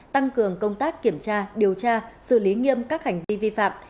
tăng cường công tác kiểm tra điều tra xử lý nghiêm các hành vi vi phạm